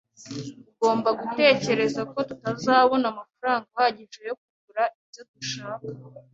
Ugomba gutekereza ko tutazabona amafaranga ahagije yo kugura ibyo dushaka